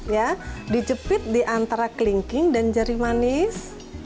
ya dijepit diantara kelingking dan jari manis